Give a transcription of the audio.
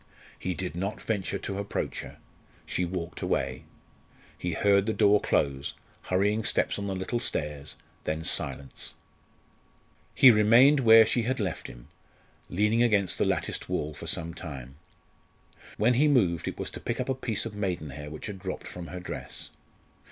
He did not venture to approach her. She walked away. He heard the door close, hurrying steps on the little stairs, then silence. He remained where she had left him, leaning against the latticed wall for some time. When he moved it was to pick up a piece of maidenhair which had dropped from her dress.